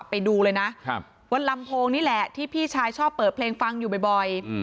ไปดูเลยนะบนลำโพงนี่แหละที่พี่ชายชอบเปิดเพลงฟังอยู่บ่อย